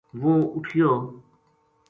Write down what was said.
وہ اُٹھیو